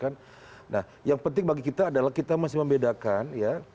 nah yang penting bagi kita adalah kita masih membedakan ya